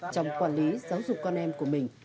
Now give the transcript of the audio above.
trong quản lý giáo dục con em của mình